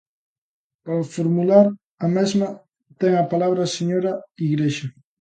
Para formular a mesma ten a palabra a señora Igrexa.